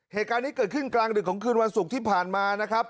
เหตุการณ์นี้เกิดขึ้นกลางดึกของคืนวันศุกร์ที่ผ่านมานะครับ